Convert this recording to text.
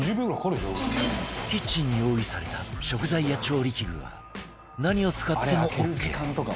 キッチンに用意された食材や調理器具は何を使ってもオーケー